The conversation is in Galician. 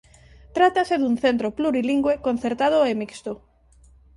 Tratase dun centro plurilingüe concertado e mixto.